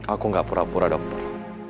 aku gak pura pura dokter